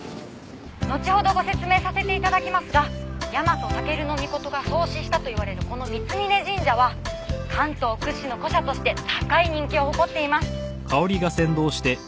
のちほどご説明させて頂きますが日本武尊が創始したといわれるこの三峯神社は関東屈指の古社として高い人気を誇っています。